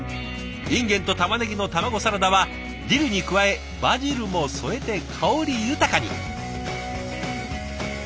インゲンとたまねぎの卵サラダはディルに加えバジルも添えて香り豊かに。